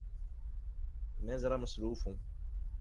میں ذرا مصروف ہوں۔